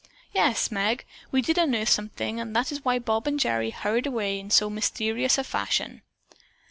"Yes, Meg, we did unearth something and that is why Bob and Gerry hurried away in so mysterious a fashion."